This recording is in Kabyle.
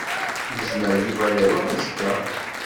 Yezmer Yuba ad iṛuḥ azekka.